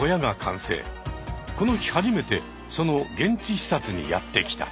この日初めてその現地視察にやって来た。